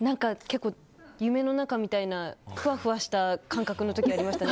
結構、夢の中みたいなふわふわした感覚の時がありました。